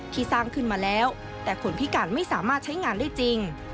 สร้างขึ้นมาแล้วแต่คนพิการไม่สามารถใช้งานได้จริง